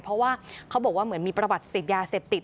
เพราะว่าเขาบอกว่าเหมือนมีประวัติเสพยาเสพติด